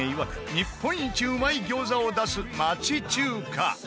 日本一うまい餃子を出す町中華